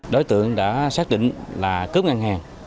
đối tượng đã xác định là cướp ngân hàng